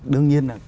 đương nhiên là